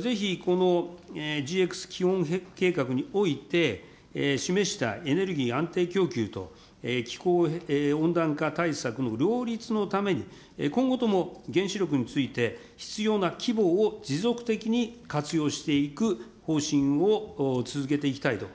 ぜひこのＧＸ基本計画において、示したエネルギー安定供給と気候温暖化対策の両立のために、今後とも原子力について必要な規模を持続的に活用していく方針を岡田克也君。